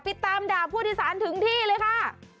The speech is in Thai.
ติดตามด่าผู้โดยสารถึงที่เลยค่ะ